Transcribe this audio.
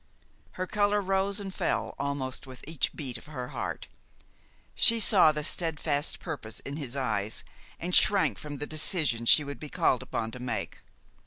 Her color rose and fell almost with each beat of her heart. She saw the steadfast purpose in his eyes, and shrank from the decision she would be called upon to make.